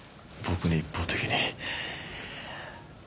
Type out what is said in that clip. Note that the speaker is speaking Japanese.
僕に一方的に。